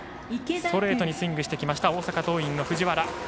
ストレートにスイングしてきました大阪桐蔭の藤原。